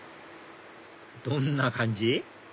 どんな感じ？